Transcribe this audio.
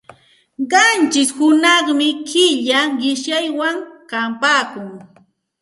Qanchish hunaqmi killa qishyaywan kapaakun.